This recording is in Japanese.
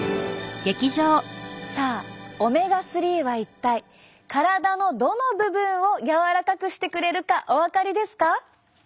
さあオメガ３は一体体のどの部分を柔らかくしてくれるかお分かりですか？